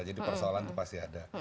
jadi persoalan itu pasti ada